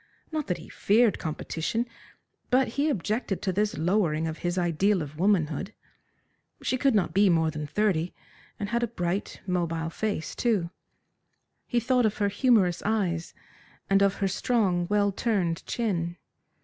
Not that he feared competition, but he objected to this lowering of his ideal of womanhood. She could not be more than thirty, and had a bright, mobile face, too. He thought of her humorous eyes, and of her strong, well turned chin.